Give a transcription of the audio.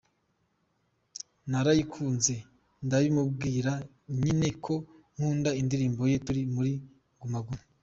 Narayikunze ndabimubwira nyine ko nkunda indirimbo ye turi muri Guma Guma, .